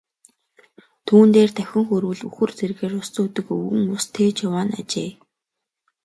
Түүн дээр давхин хүрвэл үхэр тэргээр ус зөөдөг өвгөн ус тээж яваа нь ажээ.